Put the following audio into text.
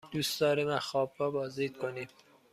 دوست داریم از خوابگاه بازدید کنیم.